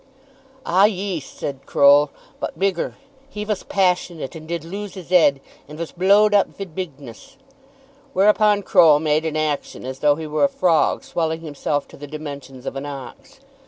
"Ah; yees," said Croll, "but bigger. He vas passionate, and did lose his 'ead; and vas blow'd up vid bigness." Whereupon Croll made an action as though he were a frog swelling himself to the dimensions of an ox.